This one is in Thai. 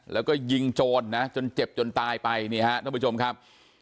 แล้วก็ยิงโจรนะจนเจ็บจนตายไปนี่ฮะท่านผู้ชมครับ